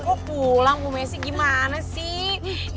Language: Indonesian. kok pulang bu messi gimana sih